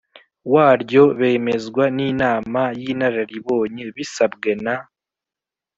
Waryo bemezwa n inama y inararibonye bisabwe na